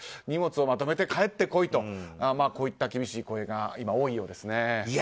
荷物をまとめて帰ってこいとこういった厳しい声が今、多いようですね。